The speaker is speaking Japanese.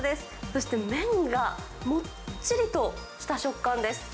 そして麺がもっちりとした食感です。